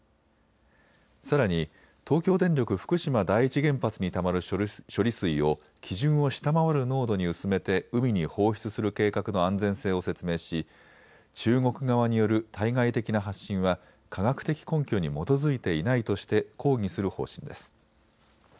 さらに東京電力福島第一原発にたまる処理水を基準を下回る濃度に薄めて海に放出する計画の安全性を説明し中国側による対外的な発信は科学的根拠に基づいていないとして抗議する方針です。